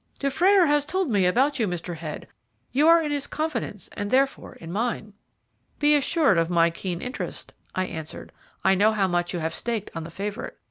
"Dufrayer has told me all about you, Mr. Head; you are in his confidence, and therefore in mine." "Be assured of my keen interest," I answered. "I know how much you have staked on the favourite.